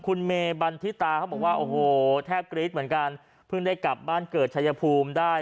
คุณเมบันทิตาเขาบอกว่าโอ้โหแทบกรี๊ดเหมือนกันเพิ่งได้กลับบ้านเกิดชายภูมิได้